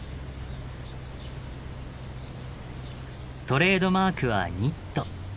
トレードマークはニット。